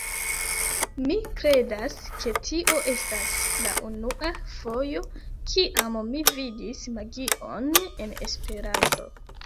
Mi kredas, ke tio estas la unua fojo, kiam mi vidis magion en Esperanto